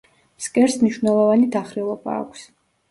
ფსკერს მნიშვნელოვანი დახრილობა აქვს.